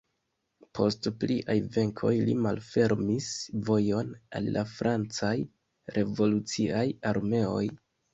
Post pliaj venkoj li malfermis vojon al la francaj revoluciaj armeoj.